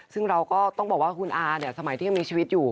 ซึ่งเราก็ต้องบอกว่าคุณอาเนี่ยสมัยที่ยังมีชีวิตอยู่